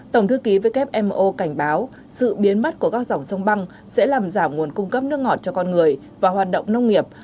tổng thư ký wmo cảnh báo sự biến mất của các dòng sông băng sẽ làm giảm nguồn cung cấp nước ngọt cho con người và hoạt động nông nghiệp